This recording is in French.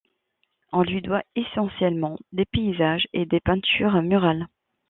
On lui doit essentiellement des paysages et des peintures murales.